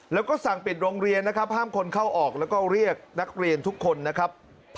แล้วก็สั่งปิดโรงเรียนนะครับห้ามคนเข้าออกแล้วก็เรียกนักเรียนทุกคนนะครับ